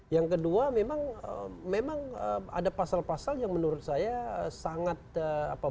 yang kedua memang ada pasal pasal yang menurut saya sangat apa